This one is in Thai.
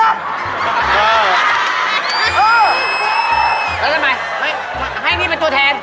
แล้วทำไมให้นี่เป็นตัวแทน